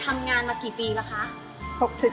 ทำงานมากี่ปีแล้วคะ